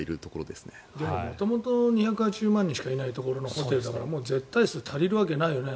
でも元々２８０万人しかいないところのホテルだからもう、絶対数が足りるわけないよね。